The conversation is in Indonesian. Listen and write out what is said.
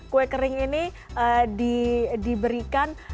kue kering ini diberikan